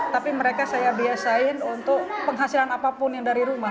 tapi mereka saya biasain untuk penghasilan apapun yang dari rumah